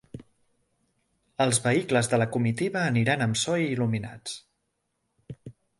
Els vehicles de la comitiva aniran amb so i il·luminats.